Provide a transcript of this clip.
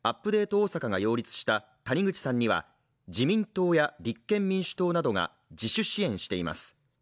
おおさかが擁立した谷口さんには自民党や立憲民主党などが自主支援しています。